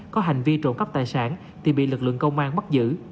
có hành vi trộm cắp tài sản thì bị lực lượng công an bắt giữ